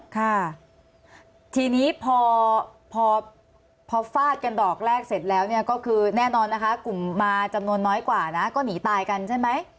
ค่ะทีนี้พอพอฟาดกันดอกแรกเสร็จแล้วเนี่ยก็คือแน่นอนนะคะกลุ่มมาจำนวนน้อยกว่านะก็หนีตายกันใช่ไหม